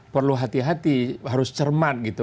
perlu hati hati harus cermat gitu